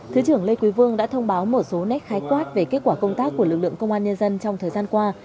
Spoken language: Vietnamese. thứ trưởng lê quý vương đã thông báo một số nét khái quát về kết quả công tác của lực lượng công an nhân dân trong thời gian qua